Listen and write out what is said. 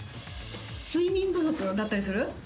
睡眠不足だったりする？